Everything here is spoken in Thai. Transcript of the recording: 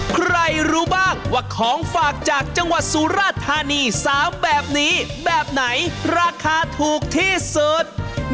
ใครรู้บ้างว่าของฝากจากจังหวัดสุราธานี๓แบบนี้แบบไหนราคาถูกที่สุด